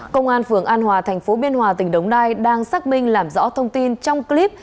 công an phường an hòa thành phố biên hòa tỉnh đồng nai đang xác minh làm rõ thông tin trong clip